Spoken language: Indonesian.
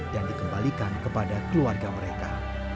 dan dikembalikan kepada keluarga mereka